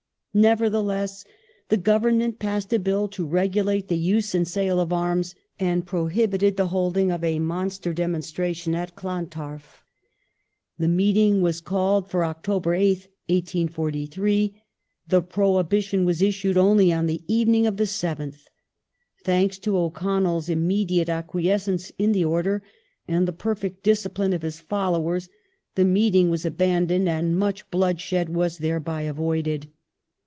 Nevertheless, the Government passed a Bill to regulate the use and sale of arms ; and pro hibited the holding of a monster demonstration at Clontarf The meeting was called for October 8th, 1843, the prohibition was issued only on the evening of the 7th. Thanks to O'Connell's im mediate acquiescence in the order, and the perfect discipline of his followers, the meeting was abandoned, and much bloodshed was thereby avoided.